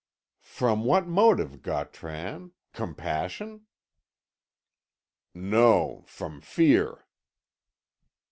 "From what motive, Gautran compassion?" "No, from fear."